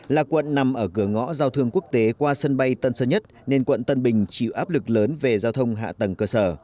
là quận nằm ở cửa ngõ giao thương quốc tế qua sân bay tân sơn nhất nên quận tân bình chịu áp lực lớn về giao thông hạ tầng cơ sở